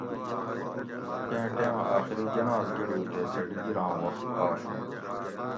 کیں ٹیمہ آخری جناز گڑُو تے سہۤ ڈِگیر آں وخت آشو